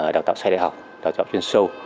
đào tạo xoay đại học đào tạo chuyên sâu